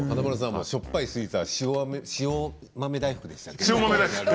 しょっぱいスイーツは塩豆大福でしたっけ？